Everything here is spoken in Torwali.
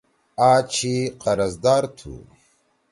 آ چھی قرض دار تُھو۔